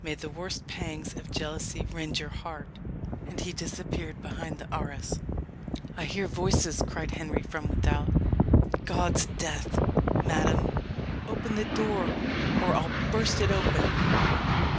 "May the worst pangs of jealously rend your heart!" And he disappeared behind the arras. "I hear voices," cried Henry from without. "God's death! madam, open the door or I will burst it open!"